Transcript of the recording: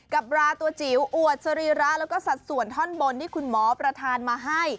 บราตัวจิ๋วอวดสรีระแล้วก็สัดส่วนท่อนบนที่คุณหมอประธานมาให้